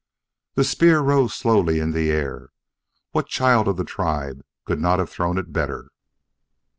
The spear rose slowly in the air. What child of the tribe could not have thrown it better!